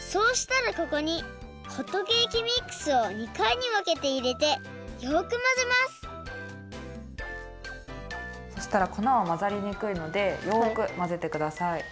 そうしたらここにホットケーキミックスを２かいにわけていれてよくまぜますそしたらこなはまざりにくいのでよくまぜてください。